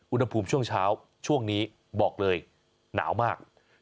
อุณหภูมิช่วงเช้าช่วงนี้บอกเลยหนาวมาก